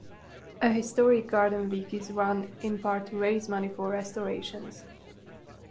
A Historic Garden Week is run, in part to raise money for restorations.